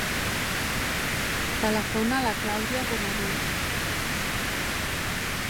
Telefona a la Clàudia Gomariz.